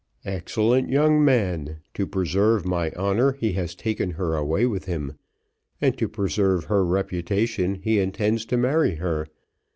"Excellent young man to preserve my honour he has taken her away with him! and, to preserve her reputation he intends to marry her!